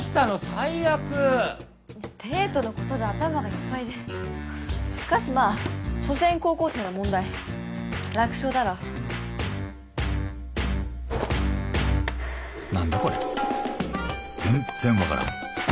最悪デートのことで頭がいっぱいでしかしまあ所詮高校生の問題楽勝だろ何だこれ全然分からん